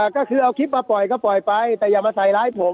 ก็คือเอาคลิปมาปล่อยก็ปล่อยไปแต่อย่ามาใส่ร้ายผม